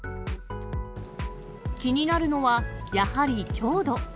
気になるのは、やはり強度。